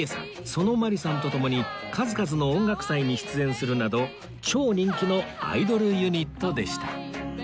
園まりさんとともに数々の音楽祭に出演するなど超人気のアイドルユニットでした